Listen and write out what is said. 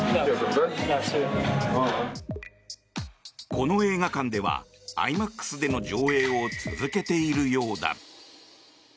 この映画館ではＩＭＡＸでの上映を続けているようだ。